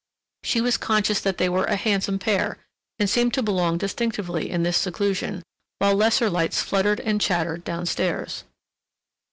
She was conscious that they were a handsome pair, and seemed to belong distinctively in this seclusion, while lesser lights fluttered and chattered down stairs.